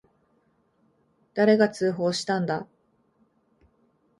誰が通報したんだ。